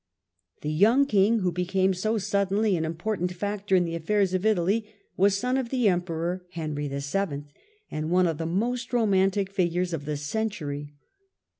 The young King, who became so suddenly an import ant factor in the affairs of Italy, was son of the Emperor Henry VII., and one of the most romantic figures of the century.